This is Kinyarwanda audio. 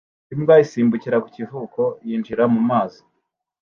Imbwa isimbukira ku kivuko yinjira mu mazi